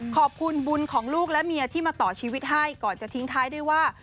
ขอบคุณบุญของลูกและเมียที่มาต่อชีวิตให้ก่อนจะทิ้งท้ายด้วยว่า